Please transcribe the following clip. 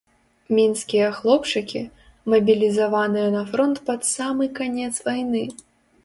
Мінскія хлопчыкі, мабілізаваныя на фронт пад самы канец вайны!